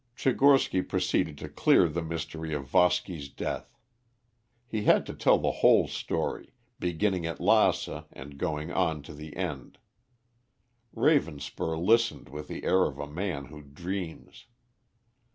Tchigorsky proceeded to clear the mystery of Voski's death. He had to tell the whole story, beginning at Lassa and going on to the end. Ravenspur listened with the air of a man who dreams.